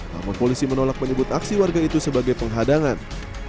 namun polisi menolak menyebut aksi warga itu sebagai penghadangan